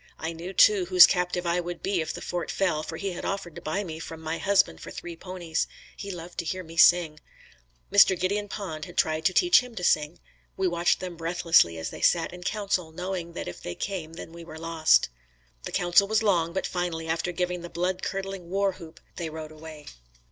I knew too, whose captive I would be if the fort fell, for he had offered to buy me from my husband for three ponies. He loved so to hear me sing. Mr. Gideon Pond had tried to teach him to sing. We watched them breathlessly as they sat in council knowing that if they came then we were lost. The council was long, but finally after giving the blood curdling war whoop, they rode away.